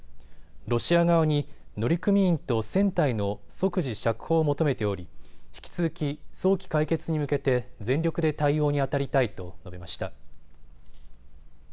ロシア側に乗組員と船体の即時釈放を求めており引き続き、早期解決に向けて全力で対応にあたりたいと述べました。